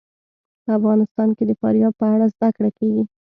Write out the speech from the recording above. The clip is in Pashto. په افغانستان کې د فاریاب په اړه زده کړه کېږي.